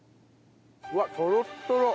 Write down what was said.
うわっとろっとろ。